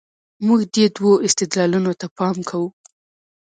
موږ دې دوو استدلالونو ته پام کوو.